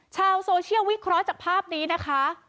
ชาวโซเชียลวิเคราะห์จากภาพนี้นะคะ